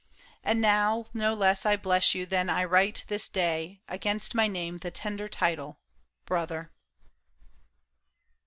And now No less I bless you that I write this day Against my name the tender title Brother."